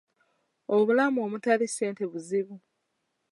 Obulamu omutali ssente buzibu.